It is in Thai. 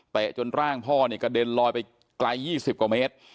จนร่างพ่อเนี่ยกระเด็นลอยไปไกล๒๐กว่าเมตร